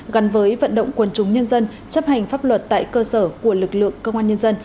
gắn với vận động quần chúng nhân dân chấp hành pháp luật tại cơ sở của lực lượng công an nhân dân